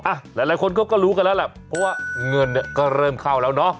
หลายคนก็รู้กันแล้วแหละเพราะว่าเงินเนี่ยก็เริ่มเข้าแล้วเนอะ